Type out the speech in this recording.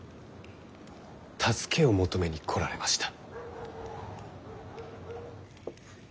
助けを求めに来られました。